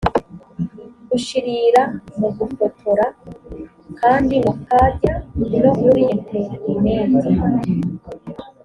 ushirira mugufotora kandi mukajya no kuri interineti.